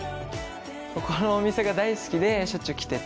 ここのお店が大好きでしょっちゅう来てて。